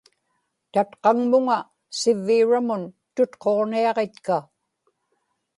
tatqaŋmuŋa suvviuramun tutquġniaġitka